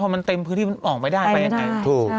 แต่ไปกินเต็มพื้นที่ออกไม่ได้ไว้ไปไหน